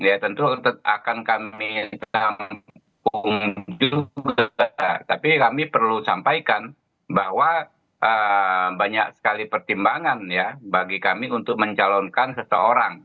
ya tentu akan kami juga tapi kami perlu sampaikan bahwa banyak sekali pertimbangan ya bagi kami untuk mencalonkan seseorang